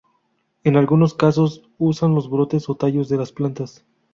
En algunos casos usan los brotes o tallos de las plantas.